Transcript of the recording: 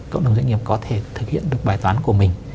cộng đồng doanh nghiệp có thể thực hiện được bài toán của mình